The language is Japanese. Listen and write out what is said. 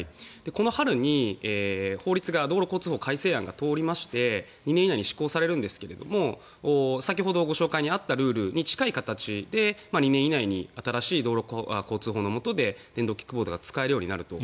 この春に法律が道路交通法改正案が通りまして２年以内に施行されるんですが先ほどご紹介にあったルールに近い形で２年以内に新しい道路交通法のもとで電動キックボードが使えるようになると。